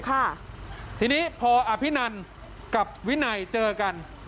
ค่ะทีนี้พออภินันกับวินัยเจอกัน